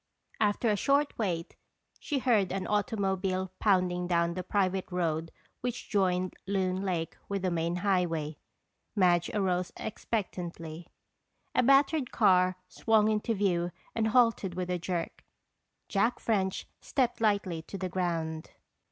After a short wait she heard an automobile pounding down the private road which joined Loon Lake with the main highway. Madge arose expectantly. A battered car swung into view and halted with a jerk. Jack French stepped lightly to the ground.